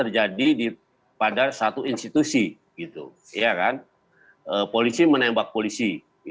jadi pada satu institusi polisi menembak polisi